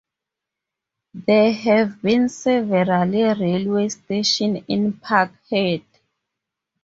There have been several railway stations in Parkhead.